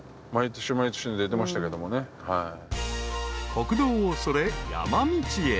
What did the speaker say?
［国道をそれ山道へ］